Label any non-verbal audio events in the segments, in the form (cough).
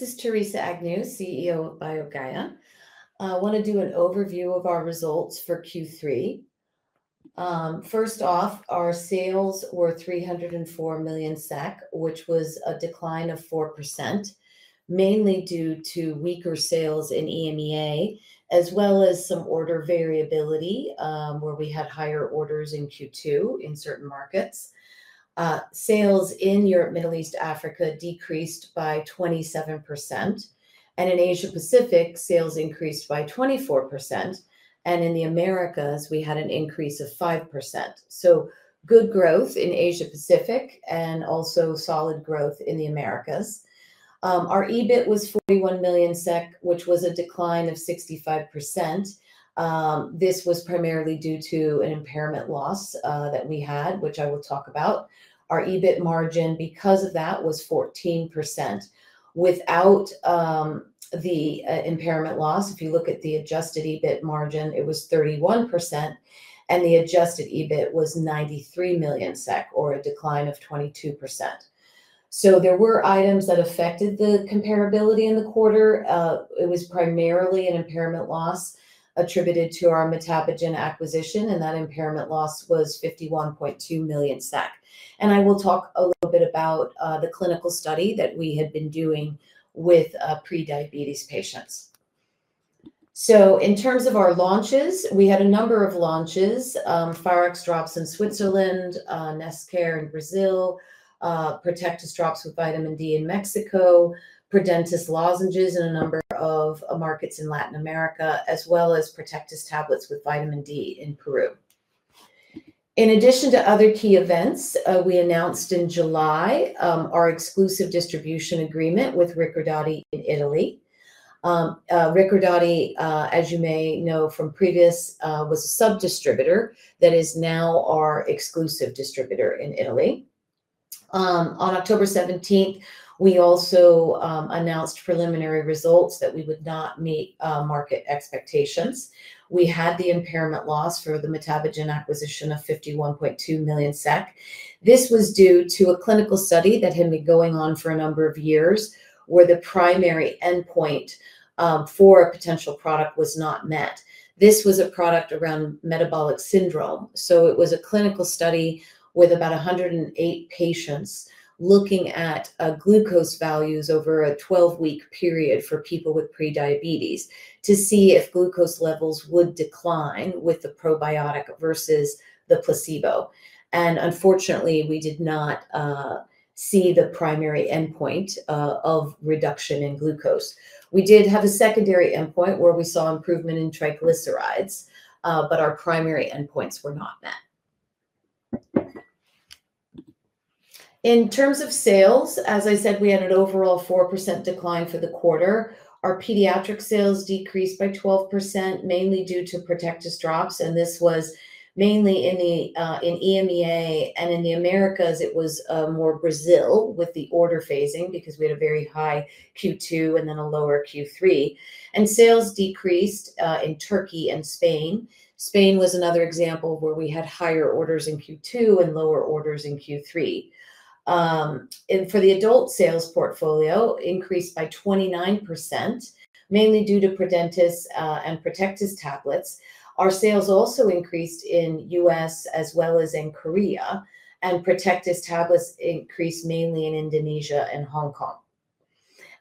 This is Theresa Agnew, CEO of BioGaia. I want to do an overview of our results for Q3. First off, our sales were 304 million SEK, which was a decline of 4%, mainly due to weaker sales in EMEA, as well as some order variability, where we had higher orders in Q2 in certain markets. Sales in Europe, Middle East, Africa decreased by 27%, and in Asia Pacific, sales increased by 24%. In the Americas, we had an increase of 5%. Good growth in Asia Pacific and also solid growth in the Americas. Our EBIT was 41 million SEK, which was a decline of 65%. This was primarily due to an impairment loss that we had, which I will talk about. Our EBIT margin, because of that was 14%. Without the impairment loss, if you look at the adjusted EBIT margin, it was 31%, and the adjusted EBIT was 93 million SEK or a decline of 22%. There were items that affected the comparability in the quarter. It was primarily an impairment loss attributed to our MetaboGen acquisition, and that impairment loss was 51.2 million SEK. I will talk a little bit about the clinical study that we had been doing with prediabetes patients. In terms of our launches, we had a number of launches, Pharax drops in Switzerland, (audio distortion) in Brazil, Protectis drops with vitamin D in Mexico, Prodentis lozenges in a number of markets in Latin America, as well as Protectis tablets with vitamin D in Peru. In addition to other key events, we announced in July our exclusive distribution agreement with Recordati in Italy. Recordati, as you may know from previous, was a sub-distributor that is now our exclusive distributor in Italy. On October 17th, we also announced preliminary results that we would not meet market expectations. We had the impairment loss for the MetaboGen acquisition of 51.2 million SEK. This was due to a clinical study that had been going on for a number of years, where the primary endpoint for a potential product was not met. This was a product around metabolic syndrome, so it was a clinical study with about 108 patients looking at glucose values over a 12-week period for people with prediabetes, to see if glucose levels would decline with the probiotic versus the placebo. Unfortunately, we did not see the primary endpoint of reduction in glucose. We did have a secondary endpoint where we saw improvement in triglycerides, but our primary endpoints were not met. In terms of sales, as I said, we had an overall 4% decline for the quarter. Our pediatric sales decreased by 12%, mainly due to Protectis drops. This was mainly in EMEA, and in the Americas, it was more Brazil with the order phasing, because we had a very high Q2 and then a lower Q3. Sales decreased in Turkey and Spain. Spain was another example where we had higher orders in Q2 and lower orders in Q3. For the adult sales portfolio, increased by 29%, mainly due to Prodentis and Protectis tablets. Our sales also increased in U.S. as well as in Korea, and Protectis tablets increased mainly in Indonesia and Hong Kong.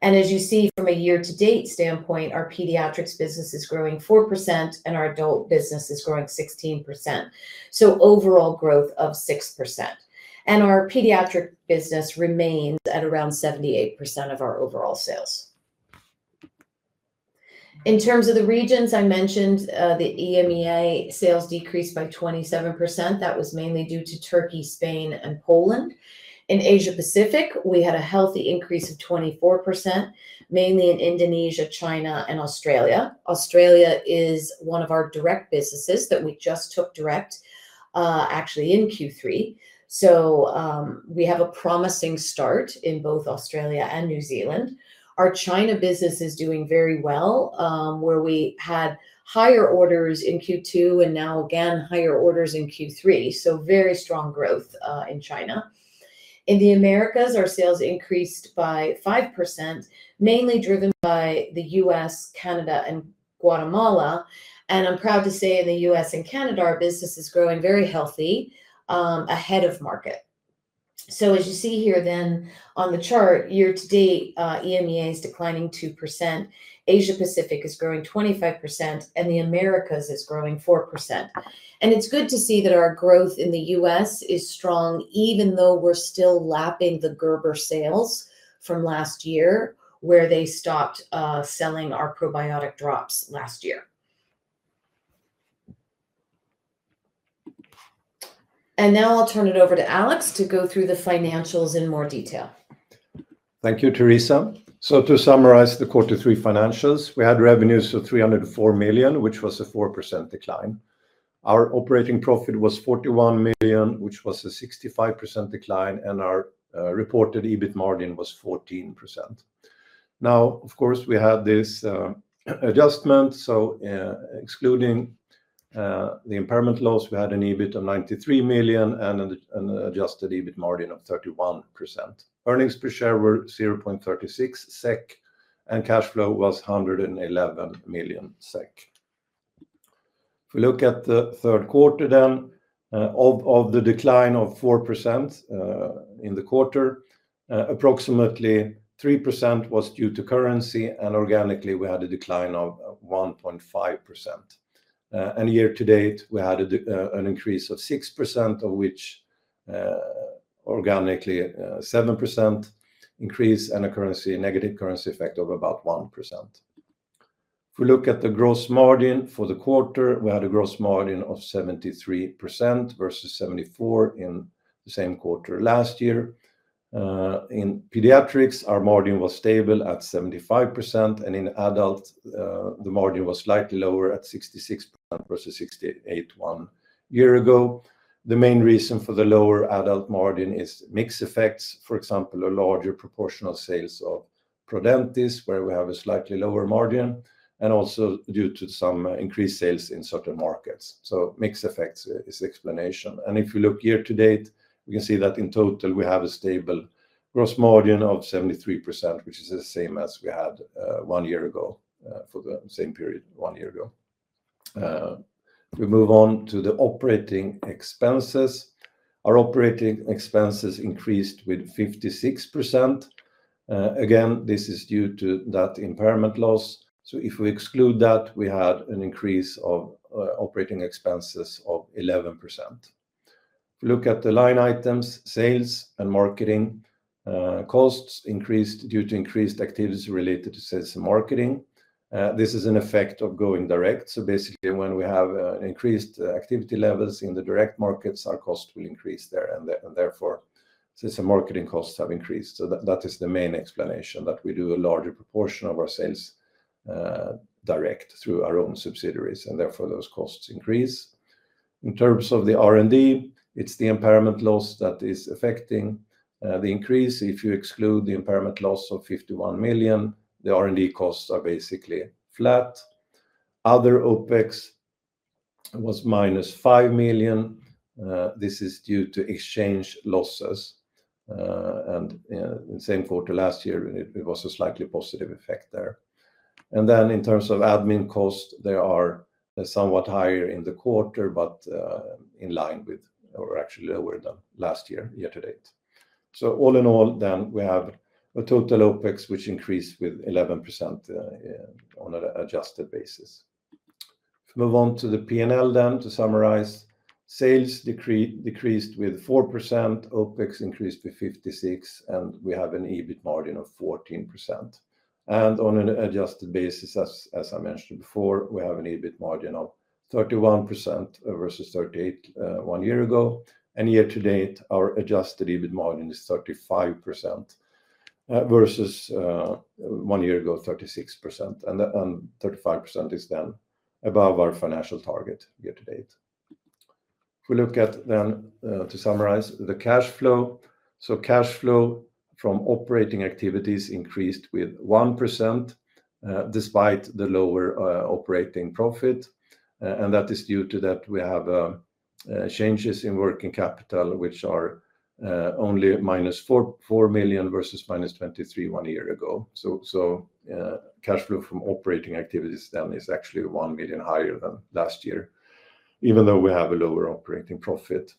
As you see from a year-to-date standpoint, our pediatrics business is growing 4% and our adult business is growing 16%, overall growth of 6%. Our pediatric business remained at around 78% of our overall sales. In terms of the regions I mentioned, the EMEA sales decreased by 27%. That was mainly due to Turkey, Spain, and Poland. In Asia Pacific, we had a healthy increase of 24%, mainly in Indonesia, China, and Australia. Australia is one of our direct businesses that we just took direct, actually in Q3. We have a promising start in both Australia and New Zealand. Our China business is doing very well, where we had higher orders in Q2 and now again, higher orders in Q3, so very strong growth in China. In the Americas, our sales increased by 5%, mainly driven by the U.S., Canada, and Guatemala. I'm proud to say in the U.S. and Canada, our business is growing very healthy, ahead of market. As you see here then on the chart, year to date, EMEA is declining 2%. Asia Pacific is growing 25%, and the Americas is growing 4%. It's good to see that our growth in the U.S. is strong, even though we're still lapping the Gerber sales from last year, where they stopped selling our probiotic drops last year. Now I'll turn it over to Alex to go through the financials in more detail. Thank you, Theresa. To summarize the third quarter financials, we had revenues of 304 million, which was a 4% decline. Our operating profit was 41 million, which was a 65% decline and our reported EBIT margin was 14%. Now, of course we had this adjustment, so excluding the impairment loss, we had an EBIT of 93 million and an adjusted EBIT margin of 31%. Earnings per share were 0.36 SEK, and cash flow was 111 million SEK. If we look at the third quarter then, of the decline of 4% in the quarter, approximately 3% was due to currency and organically, we had a decline of 1.5%. Year to date, we had an increase of 6%, of which organically, 7% increase and a currency negative currency effect of about 1%. If we look at the gross margin for the quarter, we had a gross margin of 73% versus 74% in the same quarter last year. In pediatrics, our margin was stable at 75%, and in adults, the margin was slightly lower at 66% versus 68% one year ago. The main reason for the lower adult margin is mix effects. For example, a larger proportional sales of Prodentis, where we have a slightly lower margin, and also due to some increased sales in certain markets, so mix effects is the explanation. If you look year to date, we can see that in total, we have a stable gross margin of 73%, which is the same as we had one year ago for the same period one year ago. If we move on to the operating expenses, our operating expenses increased with 56%. Again, this is due to that impairment loss. If we exclude that, we had an increase of operating expenses of 11%. If you look at the line items, sales and marketing costs increased due to increased activities related to sales and marketing. This is an effect of going direct. Basically, when we have increased activity levels in the direct markets, our cost will increase there, and therefore, sales and marketing costs have increased. That is the main explanation, that we do a larger proportion of our sales direct through our own subsidiaries. Therefore, those costs increase. In terms of the R&D, it's the impairment loss that is affecting the increase. If you exclude the impairment loss of 51 million, the R&D costs are basically flat. Other OpEx was -5 million. This is due to exchange losses and in the same quarter last year, it was a slightly positive effect there. Then in terms of admin costs, they are somewhat higher in the quarter, but in line with or actually lower than last year, year to date. All in all, then we have a total OpEx, which increased with 11% on an adjusted basis. If we move on to the P&L then, to summarize, sales decreased with 4%, OpEx increased with 56%, and we have an EBIT margin of 14%. On an adjusted basis, as I mentioned before, we have an EBIT margin of 31% versus 38% one year ago. Year to date, our adjusted EBIT margin is 35% versus 36% one year ago. 35% is then above our financial target year to date. If we look at then, to summarize, the cash flow, so cash flow from operating activities increased with 1% despite the lower operating profit. That is due to that we have changes in working capital, which are only -4.4 million versus -23 million one year ago. Cash flow from operating activities then is actually one million higher than last year, even though we have a lower operating profit.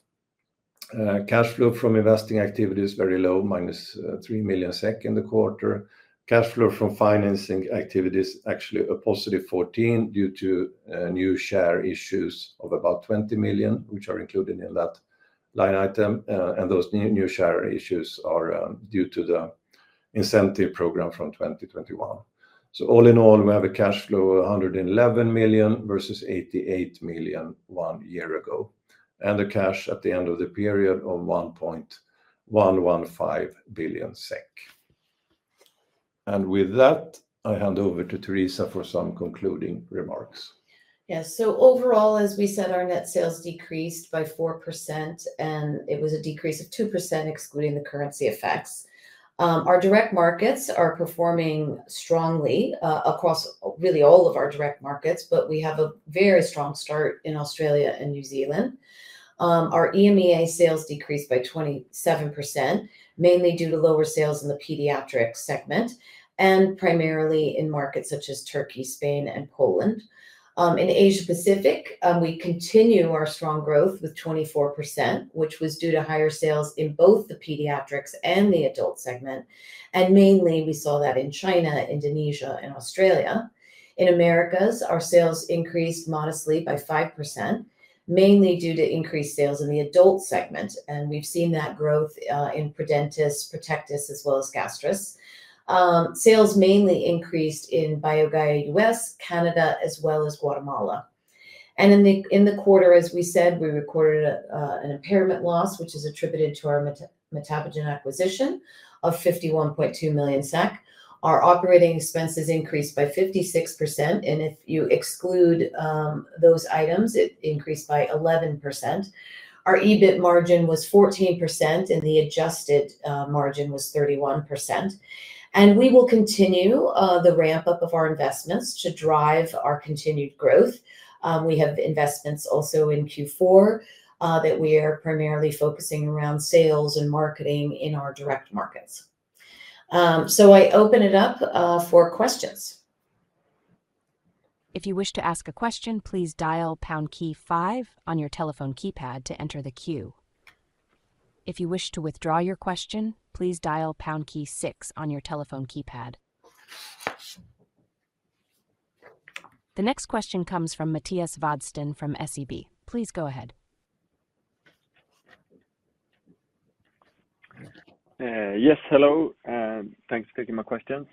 Cash flow from investing activity is very low, -3 million SEK in the quarter. Cash flow from financing activities is actually a positive 14, due to new share issues of about 20 million, which are included in that line item. Those new share issues are due to the incentive program from 2021. All in all, we have a cash flow of 111 million versus 88 million one year ago, and the cash at the end of the period is 1.115 billion SEK. With that, I hand over to Theresa for some concluding remarks. Yes. Overall, as we said, our net sales decreased by 4%, and it was a decrease of 2%, excluding the currency effects. Our direct markets are performing strongly across really all of our direct markets, but we have a very strong start in Australia and New Zealand. Our EMEA sales decreased by 27%, mainly due to lower sales in the pediatric segment and primarily in markets such as Turkey, Spain, and Poland. In Asia Pacific, we continue our strong growth with 24%, which was due to higher sales in both the pediatrics and the adult segment. Mainly, we saw that in China, Indonesia, and Australia. In Americas, our sales increased modestly by 5%, mainly due to increased sales in the adult segment. We've seen that growth in Prodentis, Protectis, as well as Gastrus. Sales mainly increased in BioGaia U.S., Canada, as well as Guatemala. In the quarter, as we said, we recorded an impairment loss, which is attributed to our MetaboGen acquisition, of 51.2 million SEK. Our operating expenses increased by 56%. If you exclude those items, it increased by 11%. Our EBIT margin was 14%, and the adjusted margin was 31%. We will continue the ramp-up of our investments to drive our continued growth. We have investments also in Q4, that we are primarily focusing around sales and marketing in our direct markets. I open it up for questions. If you wish to ask a question, please dial pound key, five on your telephone keypad to enter the queue. If you wish to withdraw your question, please dial pound key, six on your telephone keypad. The next question comes from Mattias Vadsten from SEB. Please go ahead. Yes. Hello, thanks for taking my questions.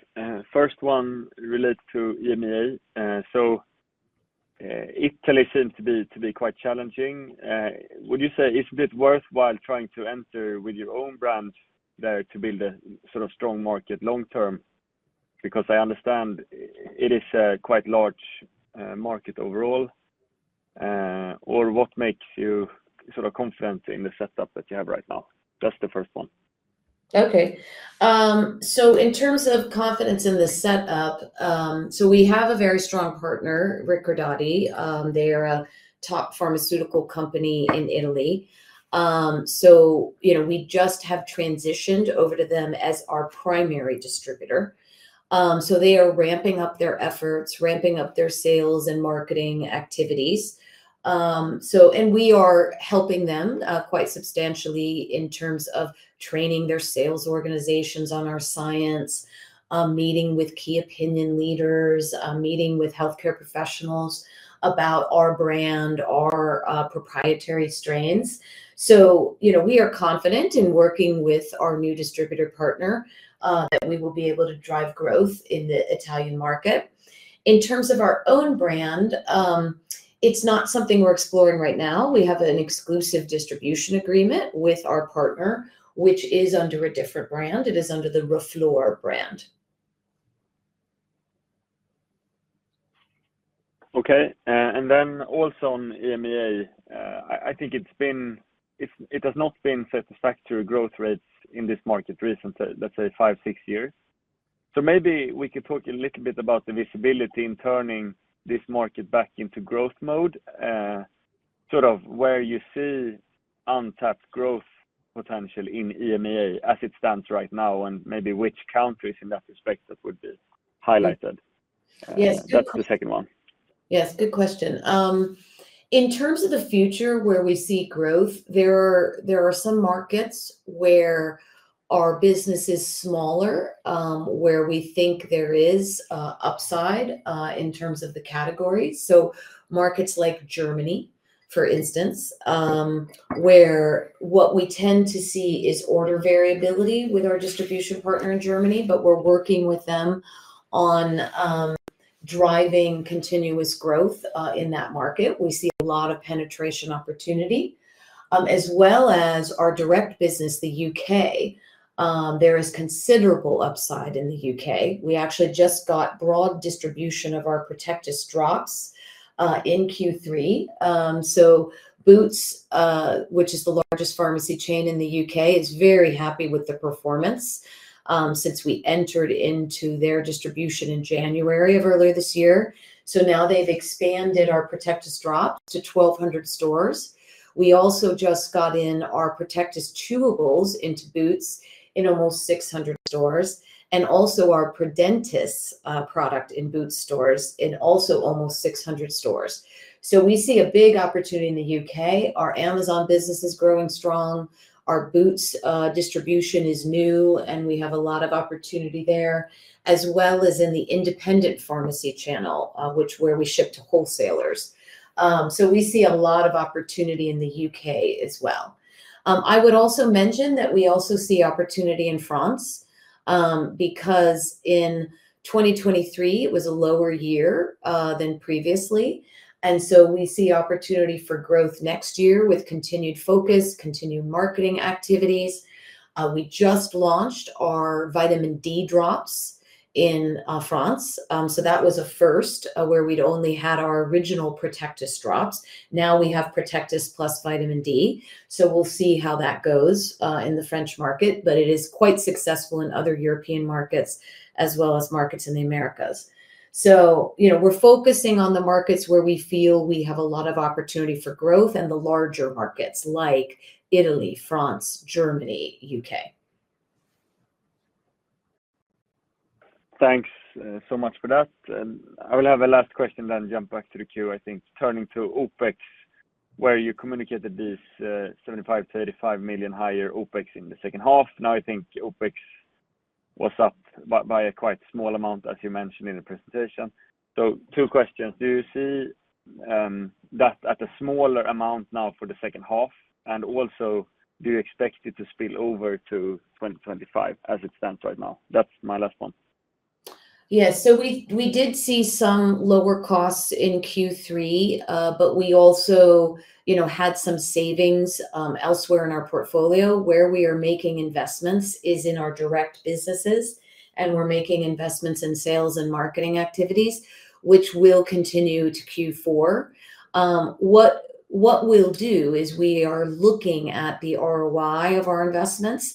First one relates to EMEA. Italy seems to be quite challenging. Is it worthwhile trying to enter with your own brand there to build a sort of strong market long term? Because I understand it is a quite large market overall, or what makes you sort of confident in the setup that you have right now? That's the first one. Okay. In terms of confidence in the setup, so we have a very strong partner, Recordati. They are a top pharmaceutical company in Italy. We just have transitioned over to them as our primary distributor, so they are ramping up their efforts, ramping up their sales and marketing activities. We are helping them quite substantially in terms of training their sales organizations on our science, meeting with key opinion leaders, meeting with healthcare professionals about our brand, our proprietary strains. We are confident in working with our new distributor partner, that we will be able to drive growth in the Italian market. In terms of our own brand, it's not something we're exploring right now. We have an exclusive distribution agreement with our partner, which is under a different brand. It is under the Reuflor brand. Okay. Then also on EMEA, I think it has not been satisfactory growth rates in this market recently, let's say, five, six years. Maybe we could talk a little bit about the visibility in turning this market back into growth mode, sort of where you see untapped growth potential in EMEA as it stands right now, and maybe which countries in that respect that would be highlighted. Yes. That's the second one. Yes, good question. In terms of the future where we see growth, there are some markets where our business is smaller, where we think there is upside in terms of the categories. Markets like Germany, for instance, where what we tend to see is order variability with our distribution partner in Germany, but we're working with them on driving continuous growth in that market. We see a lot of penetration opportunity, as well as our direct business, the U.K. There is considerable upside in the U.K. We actually just got broad distribution of our Protectis drops in Q3. Boots, which is the largest pharmacy chain in the U.K., is very happy with the performance since we entered into their distribution in January of earlier this year. Now they've expanded our Protectis drops to 1,200 stores. We also just got in our Protectis chewables into Boots in almost 600 stores, and also our Prodentis product in Boots stores in also almost 600 stores. We see a big opportunity in the U.K. Our Amazon business is growing strong. Our Boots distribution is new, and we have a lot of opportunity there, as well as in the independent pharmacy channel, where we ship to wholesalers. We see a lot of opportunity in the U.K. as well. I would also mention that we also see opportunity in France, because 2023 was a lower year than previously. We see opportunity for growth next year with continued focus, continued marketing activities. We just launched our vitamin D drops in France, so that was a first, where we'd only had our original Protectis drops. Now we have Protectis plus vitamin D, so we'll see how that goes in the French market, but it is quite successful in other European markets, as well as markets in the Americas. We're focusing on the markets where we feel we have a lot of opportunity for growth, and the larger markets like Italy, France, Germany, U.K. Thanks so much for that. I will have a last question, then jump back to the queue I think. Turning to OpEx, where you communicated this 75 million-35 million higher OpEx in the second half, now I think OpEx was up by a quite small amount, as you mentioned in the presentation. Two questions, do you see that at a smaller amount now for the second half? Also, do you expect it to spill over to 2025 as it stands right now? That's my last one. Yes. We did see some lower costs in Q3, but we also had some savings elsewhere in our portfolio. Where we are making investments is in our direct businesses, and we're making investments in sales and marketing activities, which will continue to Q4. What we'll do is, we are looking at the ROI of our investments.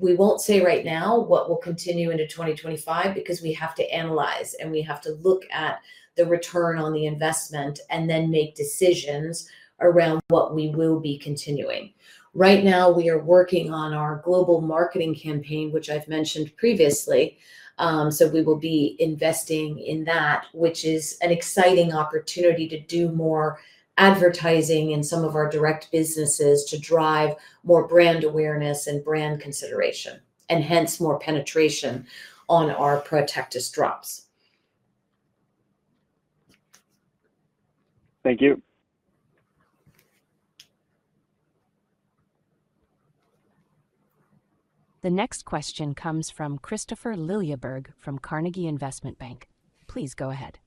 We won't say right now what will continue into 2025 because we have to analyze, and we have to look at the return on the investment and then make decisions around what we will be continuing. Right now, we are working on our global marketing campaign, which I've mentioned previously. We will be investing in that, which is an exciting opportunity to do more advertising in some of our direct businesses to drive more brand awareness and brand consideration, and hence more penetration on our Protectis drops. Thank you. The next question comes from Kristofer Liljeberg from Carnegie Investment Bank. Please go ahead.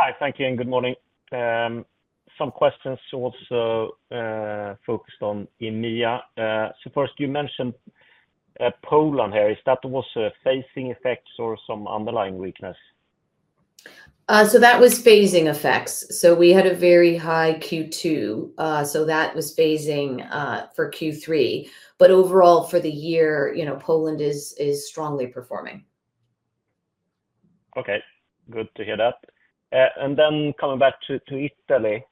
Hi, thank you. Good morning. Some questions also focused on EMEA. First, you mentioned Poland here. Is that phasing effects or some underlying weakness? That was phasing effects. We had a very high Q2, so that was phasing for Q3. Overall, for the year, Poland is strongly performing. Okay, good to hear that. Then coming back to Italy,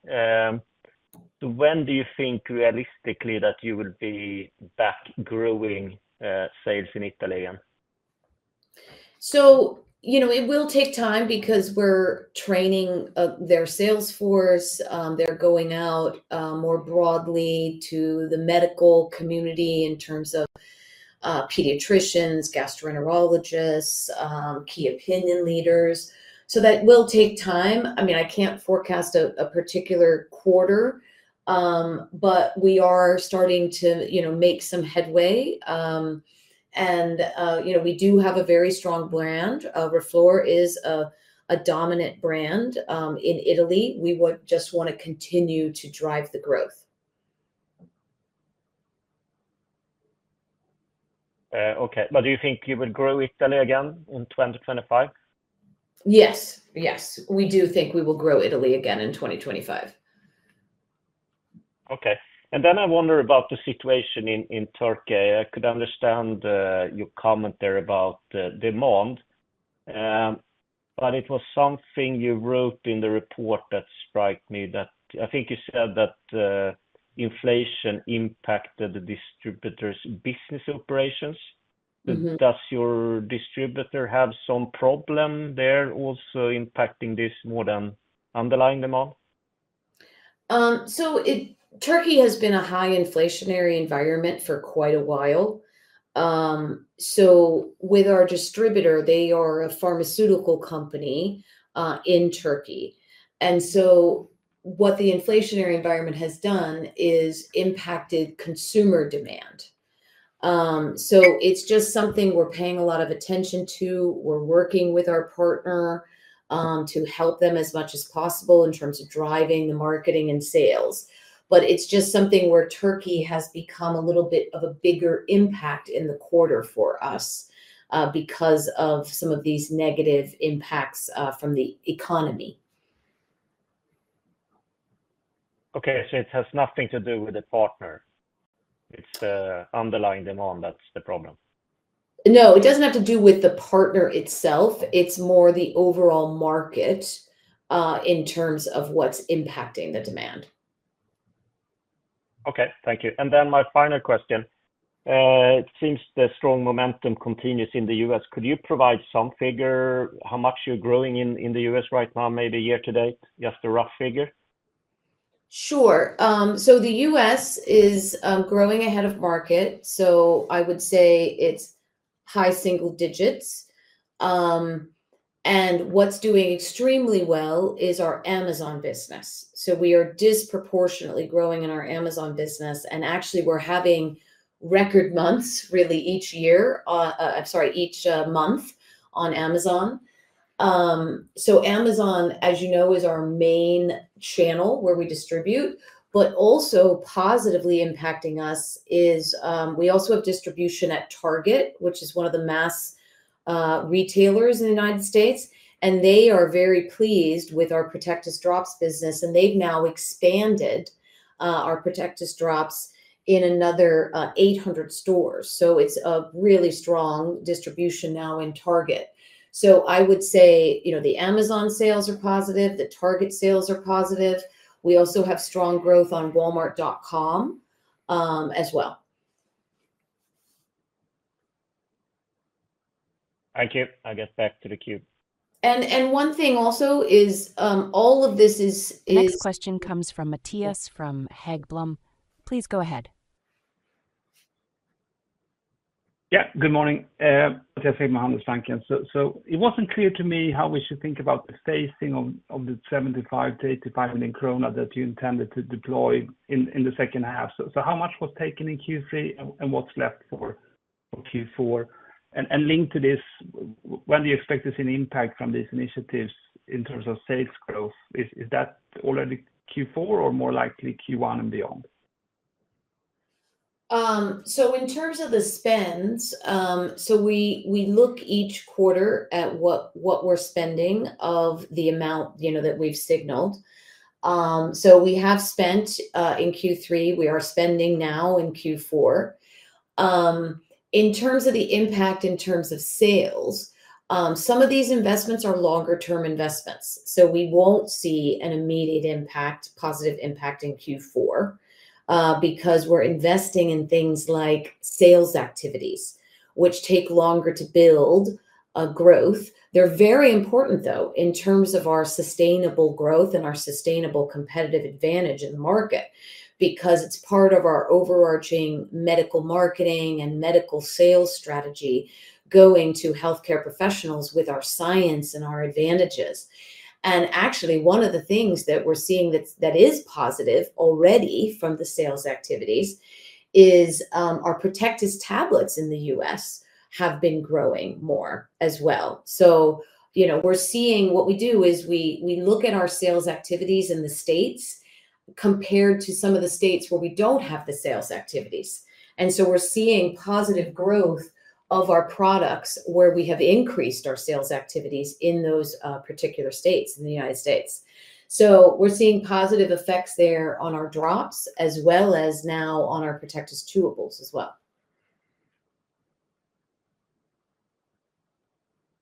when do you think realistically that you will be back growing sales in Italy again? It will take time, because we're training their sales force. They're going out more broadly to the medical community in terms of pediatricians, gastroenterologists, key opinion leaders. That will take time. I mean, I can't forecast a particular quarter, but we are starting to make some headway. We do have a very strong brand. Reuflor is a dominant brand in Italy. We would just want to continue to drive the growth. Okay, but do you think you will grow Italy again in 2025? Yes, we do think we will grow Italy again in 2025. Okay. Then I wonder about the situation in Turkey. I could understand your comment there about the demand, but it was something you wrote in the report that strike me that, I think you said that inflation impacted the distributor's business operations. Does your distributor have some problem there also impacting this more than underlying demand? Turkey has been a high inflationary environment for quite a while. With our distributor, they are a pharmaceutical company in Turkey. What the inflationary environment has done is impacted consumer demand. It's just something we're paying a lot of attention to. We're working with our partner to help them as much as possible in terms of driving the marketing and sales. It's just something where Turkey has become a little bit of a bigger impact in the quarter for us, because of some of these negative impacts from the economy. Okay, so it has nothing to do with the partner. It's the underlying demand that's the problem. No, it doesn't have to do with the partner itself. It's more the overall market, in terms of what's impacting the demand. Okay, thank you. Then my final question, it seems the strong momentum continues in the U.S. Could you provide some figure, how much you're growing in, in the U.S. right now maybe year to date? Just a rough figure. Sure. The U.S. is growing ahead of market, so I would say it's high single digits. What's doing extremely well is our Amazon business. We are disproportionately growing in our Amazon business, and actually we're having record months, really each month on Amazon. Amazon, as you know, is our main channel where we distribute, but also positively impacting us is, we also have distribution at Target, which is one of the mass retailers in the United States. They are very pleased with our Protectis drops business, and they've now expanded our Protectis drops in another 800 stores. It's a really strong distribution now in Target, so I would say, the Amazon sales are positive. The Target sales are positive. We also have strong growth on Walmart.com as well. Thank you. I'll get back to the queue. One thing also is, all of this is. (audio distortion) Next question comes from [Mattias from Haggblom]. Please go ahead. Yeah, good morning. Mattias, (audio distortion) thank you. It wasn't clear to me how we should think about the phasing of the 75 million-85 million krona that you intended to deploy in the second half. How much was taken in Q3 and what's left for Q4? Linked to this, when do you expect to see an impact from these initiatives in terms of sales growth? Is that already Q4 or more likely Q1 and beyond? In terms of the spends, so we look each quarter at what we're spending of the amount that we've signaled. We have spent in Q3. We are spending now in Q4. In terms of the impact in terms of sales, some of these investments are longer-term investments, so we won't see an immediate impact, positive impact in Q4, because we're investing in things like sales activities, which take longer to build a growth. They're very important though, in terms of our sustainable growth and our sustainable competitive advantage in the market, because it's part of our overarching medical marketing and medical sales strategy, going to healthcare professionals with our science and our advantages. Actually, one of the things that we're seeing that is positive already from the sales activities is, our Protectis tablets in the U.S. have been growing more as well. What we do is we look at our sales activities in the States compared to some of the states where we don't have the sales activities, and so we're seeing positive growth of our products where we have increased our sales activities in those particular states in the United States. We're seeing positive effects there on our drops, as well as now on our Protectis chewables as well.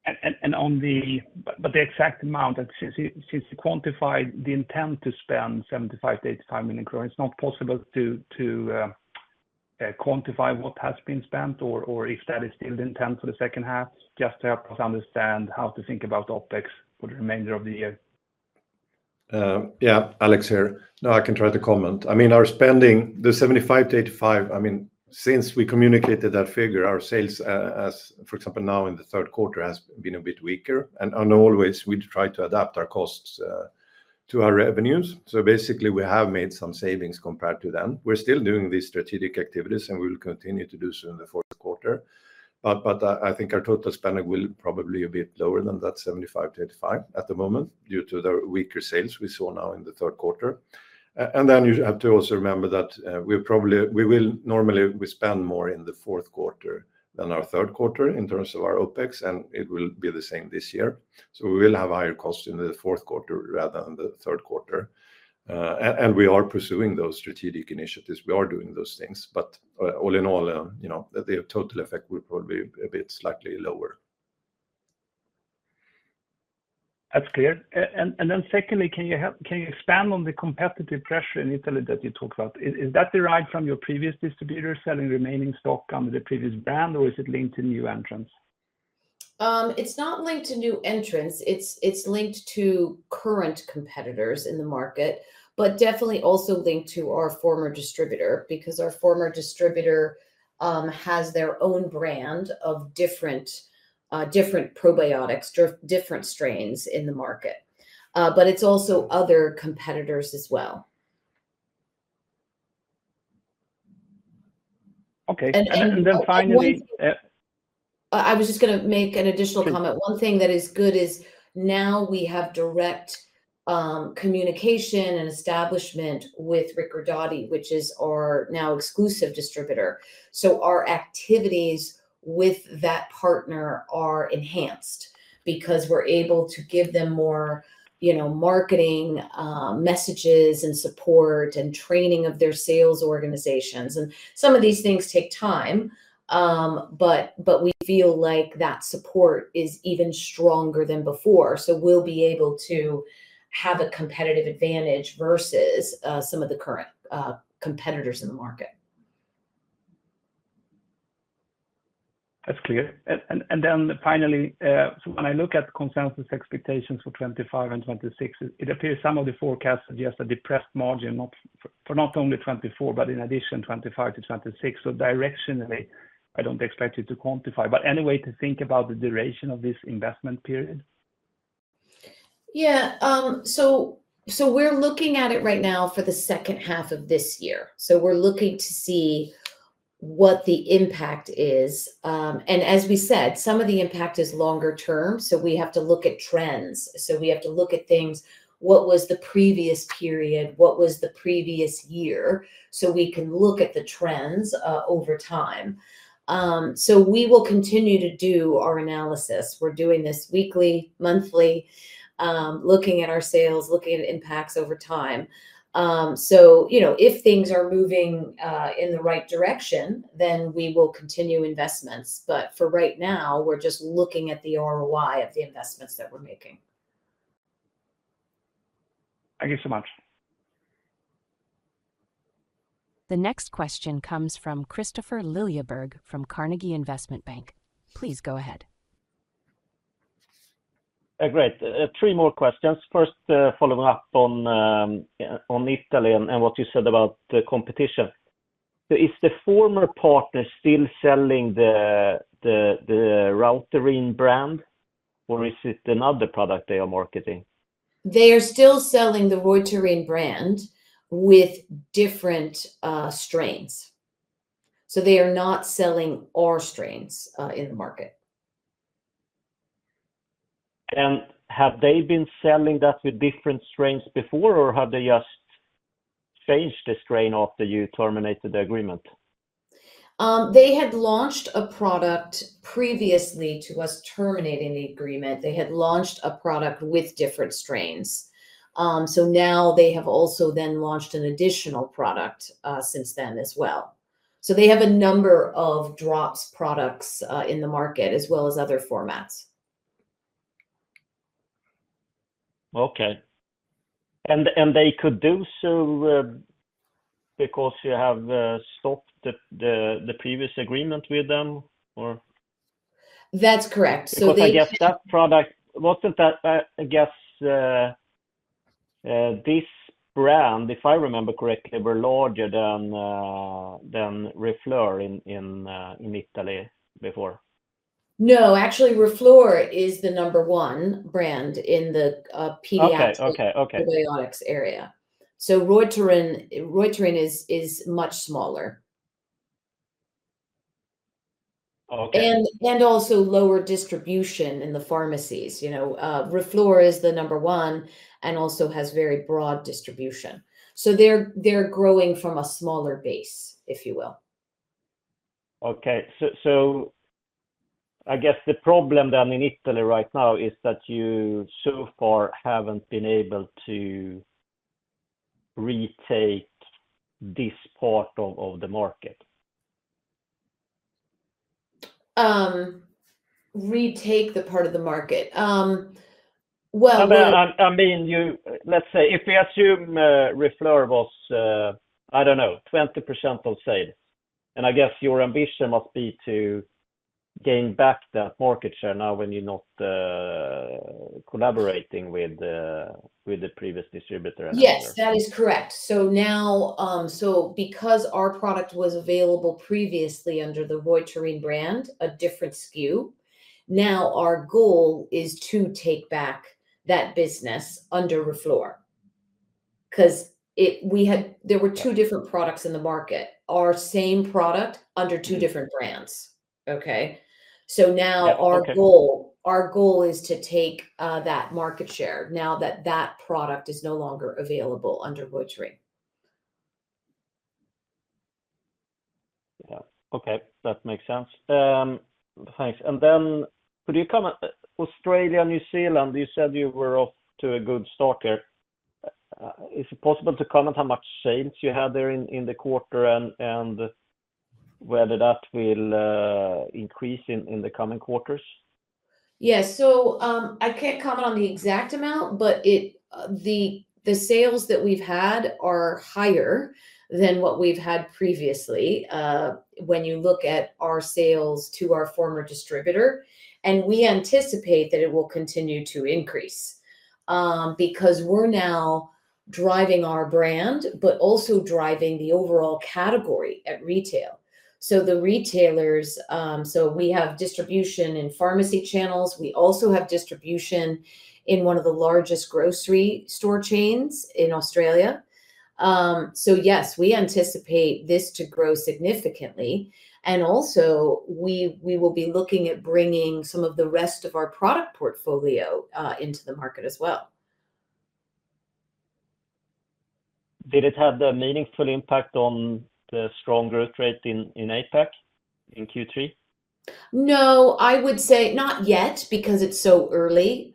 The exact amount, since you quantified the intent to spend 75 million-85 million kronor, it's not possible to quantify what has been spent or if that is still the intent for the second half? Just to help us understand how to think about OpEx for the remainder of the year. Yeah, Alex here. No, I can try to comment. I mean, our spending the 75 million-85 million, I mean, since we communicated that figure, our sales, for example, now in the third quarter, has been a bit weaker, and always, we try to adapt our costs to our revenues. Basically, we have made some savings compared to them. We're still doing these strategic activities, and we will continue to do so in the fourth quarter. I think our total spending will probably be a bit lower than that 75 million-85 million at the moment, due to the weaker sales we saw now in the third quarter. Then you have to also remember that we will normally spend more in the fourth quarter than our third quarter in terms of our OpEx, and it will be the same this year. We will have higher costs in the fourth quarter rather than the third quarter. We are pursuing those strategic initiatives. We are doing those things, but all in all, the total effect will probably be a bit slightly lower. That's clear. Then secondly, can you expand on the competitive pressure in Italy that you talked about? Is that derived from your previous distributor selling remaining stock under the previous brand, or is it linked to new entrants? It's not linked to new entrants. It's linked to current competitors in the market, but definitely also linked to our former distributor, because our former distributor has their own brand of different probiotics, different strains in the market, but it's also other competitors as well. Okay. I was just going to make an additional comment. One thing that is good is now we have direct, communication and establishment with Recordati, which is our now exclusive distributor. Our activities with that partner are enhanced because we're able to give them more marketing, messages and support and training of their sales organizations. Some of these things take time, but we feel like that support is even stronger than before, so we'll be able to have a competitive advantage versus some of the current competitors in the market. That's clear. Then finally, so when I look at consensus expectations for 2025 and 2026, it appears some of the forecasts suggest a depressed margin not only for 2024, but in addition, 2025-2026. Directionally, I don't expect you to quantify, but any way to think about the duration of this investment period? Yeah. We're looking at it right now for the second half of this year, so we're looking to see what the impact is. As we said, some of the impact is longer term, so we have to look at trends. We have to look at things, what was the previous period? What was the previous year? We can look at the trends over time, so we will continue to do our analysis. We're doing this weekly, monthly, looking at our sales, looking at impacts over time. If things are moving in the right direction, then we will continue investments. For right now, we're just looking at the ROI of the investments that we're making. Thank you so much. The next question comes from Kristofer Liljeberg from Carnegie Investment Bank. Please go ahead. Great. Three more questions. First, following up on Italy and what you said about the competition. Is the former partner still selling the Reuterin brand, or is it another product they are marketing? They are still selling the Reuterin brand with different strains, so they are not selling our strains in the market. Have they been selling that with different strains before, or have they just changed the strain after you terminated the agreement? They had launched a product previously to us terminating the agreement. They had launched a product with different strains. Now they have also then launched an additional product, since then as well. They have a number of drops products in the market, as well as other formats. Okay, and they could do so because you have stopped the previous agreement with them? That's correct. I guess, this brand, if I remember correctly, were larger than Reuflor in Italy before. No, actually Reuflor is the number one brand in the pediatric probiotics area. Reuterin is much smaller. Okay. Also, lower distribution in the pharmacies. Reuflor is the number one, and also has very broad distribution. They're growing from a smaller base, if you will. Okay. I guess the problem then in Italy right now is that you so far haven't been able to retake this part of the market? Retake the part of the market. I mean, let's say, if we assume Reuflor was 20% of sales, and I guess your ambition must be to gain back that market share now when you're not collaborating with the previous distributor. (audio distortion) Yes, that is correct. Now, because our product was available previously under the Reuterin brand, a different SKU, now our goal is to take back that business under Reuflor. Because there were two different products in the market, our same product under two different brands, okay? Yeah, okay. Now our goal is to take that market share now that that product is no longer available under Reuterin. Yeah. Okay, that makes sense, thanks. Then could you comment, Australia, New Zealand, you said you were off to a good start there. Is it possible to comment how much sales you had there in the quarter, and whether that will increase in the coming quarters? Yes. I can't comment on the exact amount, but the sales that we've had are higher than what we've had previously, when you look at our sales to our former distributor. We anticipate that it will continue to increase, because we're now driving our brand, but also driving the overall category at retail. The retailers, so we have distribution in pharmacy channels, we also have distribution in one of the largest grocery store chains in Australia. Yes, we anticipate this to grow significantly, and also we will be looking at bringing some of the rest of our product portfolio into the market as well. Did it have a meaningful impact on the strong growth rate in APAC in Q3? No, I would say not yet because it's so early.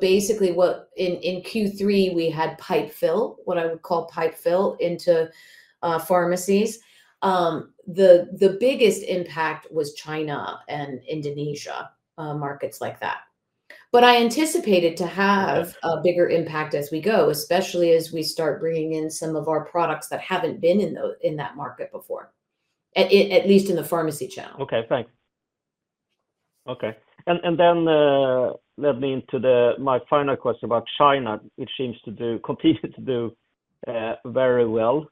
Basically, in Q3, we had pipe fill, what I would call pipe fill into pharmacies. The biggest impact was China and Indonesia, markets like that, but I anticipate it to have a bigger impact as we go, especially as we start bringing in some of our products that haven't been in that market before, at least in the pharmacy channel. Okay, thanks. Okay, and then leading to my final question about China, which seems to continue to do very well.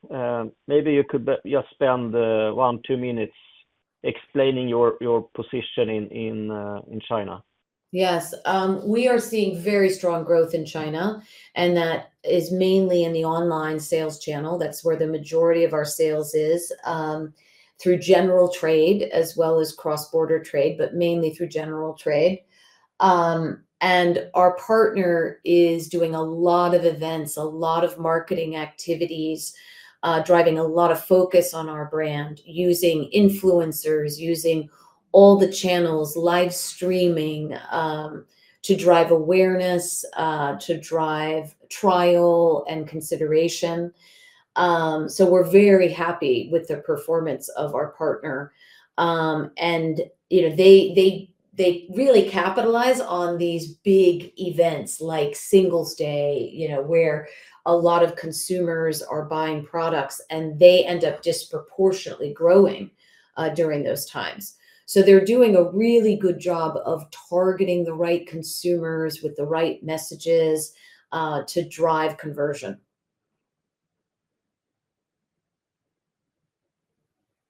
Maybe you could just spend one, two minutes explaining your position in China. Yes. We are seeing very strong growth in China, and that is mainly in the online sales channel. That's where the majority of our sales is, through general trade as well as cross-border trade, but mainly through general trade. Our partner is doing a lot of events, a lot of marketing activities, driving a lot of focus on our brand, using influencers, using all the channels, live streaming to drive awareness, to drive trial and consideration. We're very happy with the performance of our partner. They really capitalize on these big events like Singles' Day, where a lot of consumers are buying products and they end up disproportionately growing during those times. They're doing a really good job of targeting the right consumers with the right messages to drive conversion.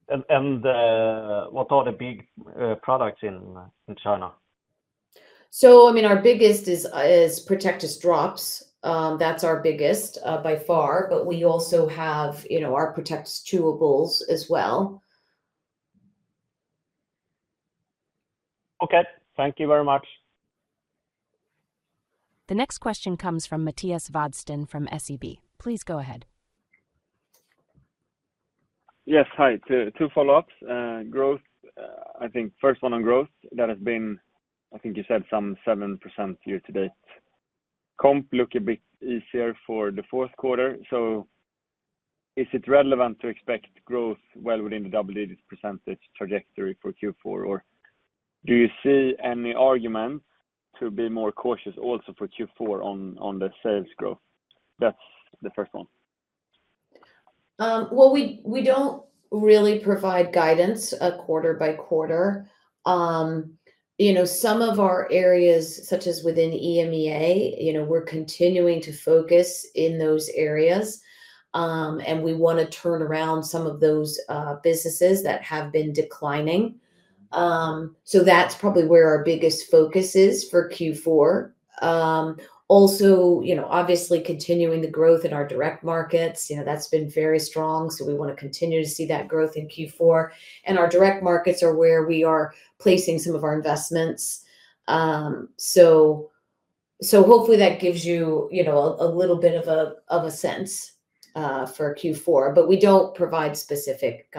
What are the big products in China? I mean, our biggest is Protectis drops. That's our biggest by far, but we also have our Protectis chewables as well. Okay. Thank you very much. The next question comes from Mattias Vadsten from SEB. Please go ahead. Yes. Hi, two follow-ups. I think first one on growth, that has been, I think you said some 7% year-to-date. Comps look a bit easier for the fourth quarter, so is it relevant to expect growth well within the double-digit percentage trajectory for Q4? Or do you see any argument to be more cautious also for Q4 on the sales growth? That's the first one. We don't really provide guidance quarter by quarter. Some of our areas, such as within EMEA, we're continuing to focus in those areas. We want to turn around some of those businesses that have been declining, so that's probably where our biggest focus is for Q4. Also, obviously continuing the growth in our direct markets, you know, that's been very strong, so we want to continue to see that growth in Q4. Our direct markets are where we are placing some of our investments. Hopefully, that gives you a little bit of a sense for Q4, but we don't provide specific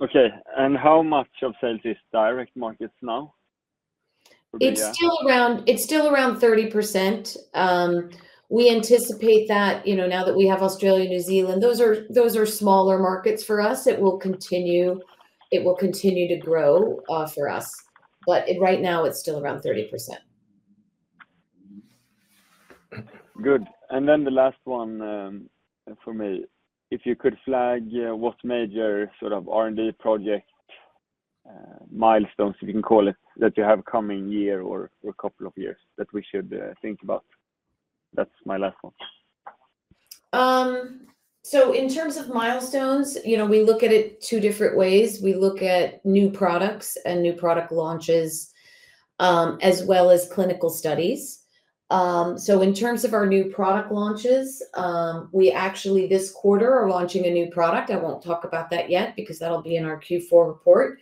guidance on numbers. Okay, and how much of sales is direct markets now? It's still around 30%. We anticipate that now that we have Australia, New Zealand, those are smaller markets for us. It will continue to grow for us, but right now it's still around 30%. Good. Then the last one from me. If you could flag what major sort of R&D project milestones, you can call it, that you have coming year or couple of years that we should think about? That's my last one. In terms of milestones, you know, we look at it two different ways. We look at new products and new product launches, as well as clinical studies. In terms of our new product launches, we actually this quarter are launching a new product. I won't talk about that yet because that'll be in our Q4 report.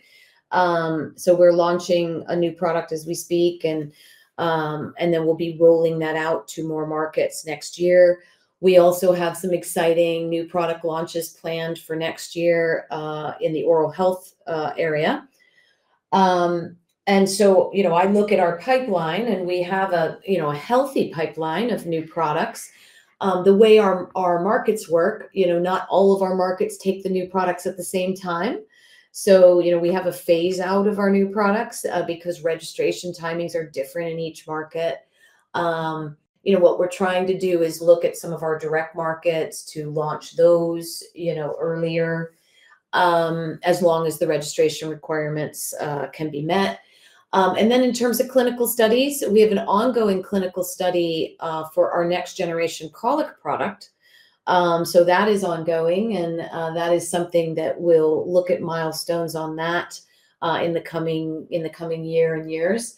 We're launching a new product as we speak, and then we'll be rolling that out to more markets next year. We also have some exciting new product launches planned for next year in the oral health area. I look at our pipeline, and we have a healthy pipeline of new products. The way our markets work, you know, not all of our markets take the new products at the same time. You know, we have a phase-out of our new products, because registration timings are different in each market. What we're trying to do is look at some of our direct markets to launch those earlier, as long as the registration requirements can be met. Then in terms of clinical studies, we have an ongoing clinical study for our next-generation colic product. That is ongoing, and that is something that, we'll look at milestones on that in the coming year and years,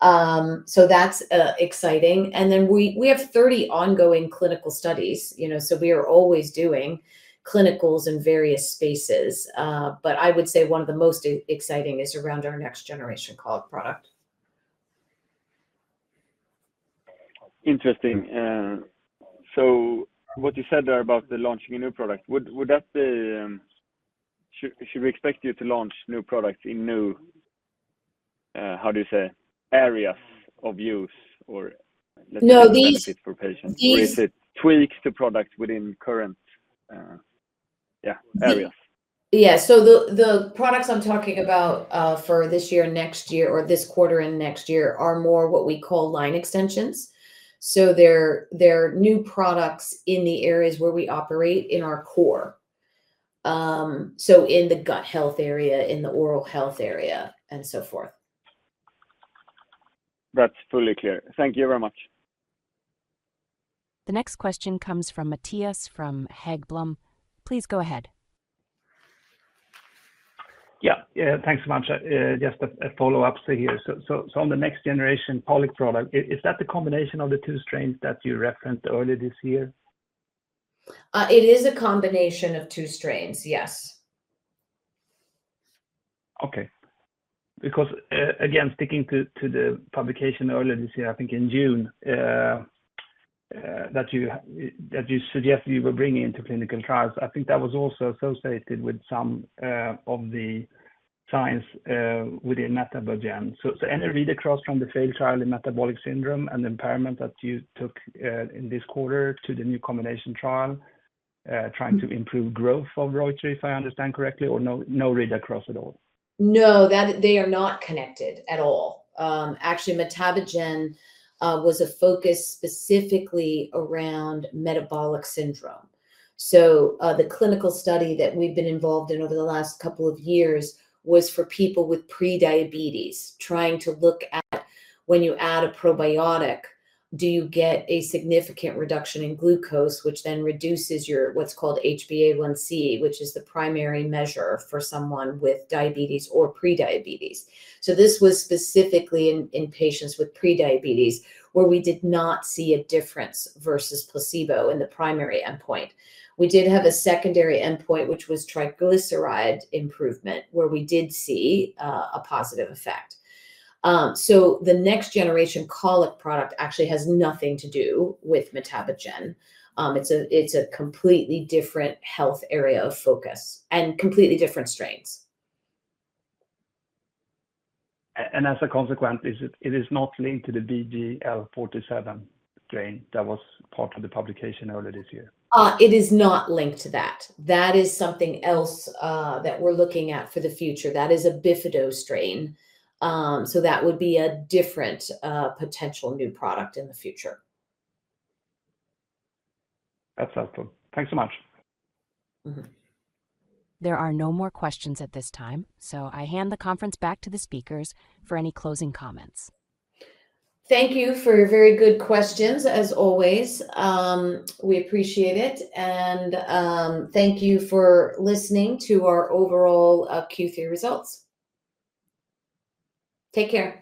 so that's exciting. Then we have 30 ongoing clinical studies, you know, so we are always doing clinicals in various spaces. I would say one of the most exciting is around our next-generation colic product. Interesting. What you said there about the launching a new product, should we expect you to launch new products in new, how do you say? Areas of use or. (audio distortion) No. Benefits for patients, or is it tweaks to products within current areas? Yeah. The products I'm talking about for this year, next year, or this quarter and next year, are more what we call line extensions. They're new products in the areas where we operate in our core, so in the gut health area, in the oral health area and so forth. That's fully clear. Thank you very much. The next question comes from [Mattias from Haggblom]. Please go ahead. Yeah, thanks so much. Just a follow-up here. On the next-generation colic product, is that the combination of the two strains that you referenced earlier this year? It is a combination of two strains, yes. Okay. Again, sticking to the publication earlier this year, I think in June, that you suggest you were bringing into clinical trials, I think that was also associated with some of the science within MetaboGen. Any read across from the failed trial in metabolic syndrome and the impairment that you took in this quarter to the new combination trial, trying to improve growth of Reuterin, if I understand correctly or no read across at all? No, they are not connected at all. Actually, MetaboGen was a focus specifically around metabolic syndrome. The clinical study that we've been involved in over the last couple of years was for people with pre-diabetes, trying to look at, when you add a probiotic, do you get a significant reduction in glucose, which then reduces your, what's called HbA1c, which is the primary measure for someone with diabetes or pre-diabetes. This was specifically in patients with pre-diabetes, where we did not see a difference versus placebo in the primary endpoint. We did have a secondary endpoint, which was triglyceride improvement, where we did see a positive effect. The next-generation colic product actually has nothing to do with MetaboGen. It's a completely different health area of focus and completely different strains. As a consequence, is it not linked to the BGL47 strain that was part of the publication earlier this year? It is not linked to that. That is something else that we're looking at for the future. That is a Bifido strain. That would be a different potential new product in the future. That's helpful. Thanks so much. There are no more questions at this time, so I hand the conference back to the speakers for any closing comments. Thank you for your very good questions, as always. We appreciate it, and thank you for listening to our overall Q3 results. Take care.